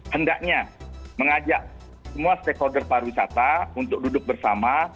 hendaknya mengajak semua stakeholder pariwisata untuk duduk bersama